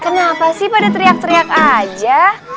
kenapa sih pada teriak teriak aja